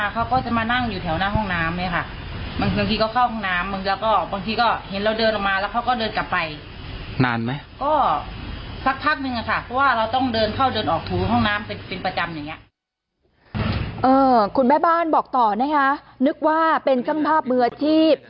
คุณแม่บ้านบอกต่อเหนือกว่าเป็นข้างภาพเบือชีพ